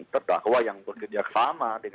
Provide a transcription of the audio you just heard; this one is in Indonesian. terdakwa yang bekerja sama